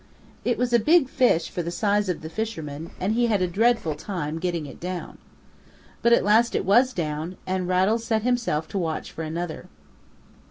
It was a big fish for the size of the fisherman and he had a dreadful time getting it down. But at last it was down, and Rattles set himself to watch for another.